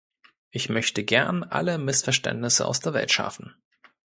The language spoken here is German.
Ich möchte gern alle Missverständnisse aus der Welt schaffen.